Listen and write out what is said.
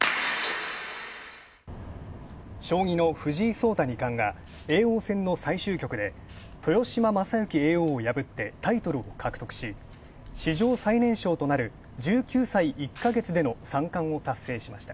将棋の藤井総太二冠が叡王戦の最終局で豊島将之叡王を破ってタイトルを獲得し、史上最年少となる１９歳１か月の三冠を達成しました。